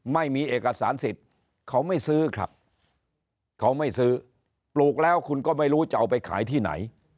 ไม่มีเอกสารสิทธิ์เขาไม่ซื้อครับเขาไม่ซื้อปลูกแล้วคุณก็ไม่รู้จะเอาไปขายที่ไหน